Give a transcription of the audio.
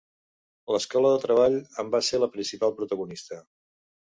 L'Escola del Treball en va ser la principal protagonista.